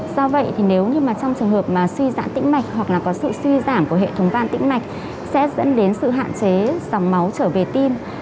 do vậy thì nếu như mà trong trường hợp mà suy giãn tĩnh mạch hoặc là có sự suy giảm của hệ thống van tĩnh mạch sẽ dẫn đến sự hạn chế dòng máu trở về tim